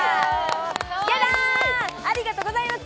やだ、ありがとうございます！